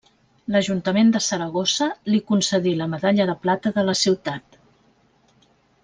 L'Ajuntament de Saragossa li concedí la medalla de plata de la ciutat.